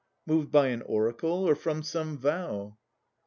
Moved by an oracle, or from some vow?